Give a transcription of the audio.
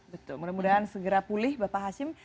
betul mudah mudahan segera pulih bapak hashim